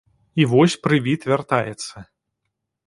І вось прывід вяртаецца.